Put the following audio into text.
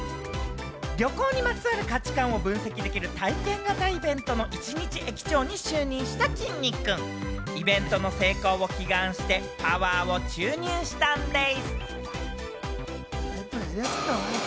旅行にまつわる価値感を分析できる体験型イベントの一日駅長に就任したきんに君、イベントの成功を祈願して、パワ！を注入したんでぃす！